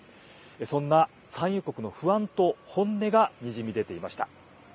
そんな産油国の不安と本音がにじみ出ていました。